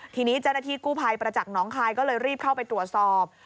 ทีนี้เจ้าหน้าที่กู้ภัยประจักษ์น้องคายก็เลยรีบเข้าไปตรวจสอบ